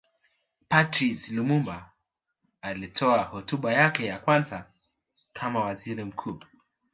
Patrice Lumumba alitoa hotuba yake ya kwanza kama Waziri mkuu